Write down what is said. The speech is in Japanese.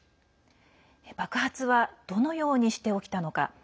爆発はどのようにして起きたのか。